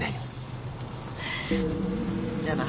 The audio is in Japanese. じゃあな。